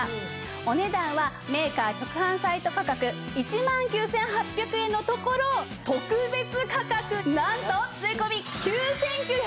お値段はメーカー直販サイト価格１万９８００円のところ特別価格なんと税込９９８０円です。